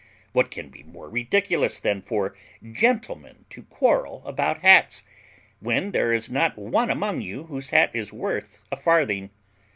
What can be more ridiculous than for gentlemen to quarrel about hats, when there is not one among you whose hat is worth a farthing?